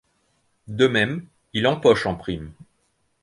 De même, il empoche en prime.